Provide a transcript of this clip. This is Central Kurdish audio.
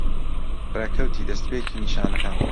ڕێکەوتی دەستپێکی نیشانەکان